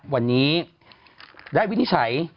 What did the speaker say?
วันนี้ได้วินิจฉัย